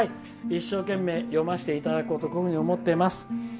一生懸命、読ませていただこうと思っています。